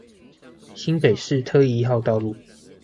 新北市特一號道路